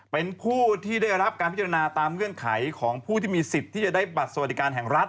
เป็นผู้ที่ได้รับการพิจารณาตามเงื่อนไขของผู้ที่มีสิทธิ์ที่จะได้บัตรสวัสดิการแห่งรัฐ